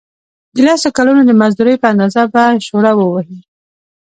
د لسو کلونو د مزدورۍ په اندازه به شوړه ووهي.